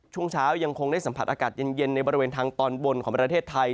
ช่วงเช้ายังคงได้สัมผัสอากาศเย็นในบริเวณทางตอนบนของประเทศไทย